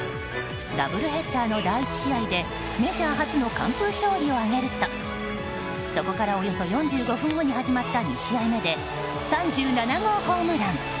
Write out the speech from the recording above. ダブルヘッダーの第１試合でメジャー初の完封勝利を挙げるとそこからおよそ４５分後に始まった２試合目で３７号ホームラン。